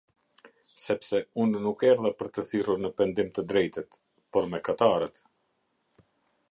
Sepse unë nuk erdha për të thirrur në pendim të drejtët, por mëkatarët".